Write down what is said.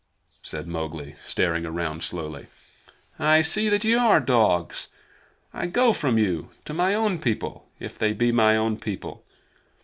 said Mowgli, staring round slowly. "I see that ye are dogs. I go from you to my own people if they be my own people.